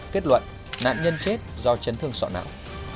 kết luận nạn nhân chết do chấn thương sọ não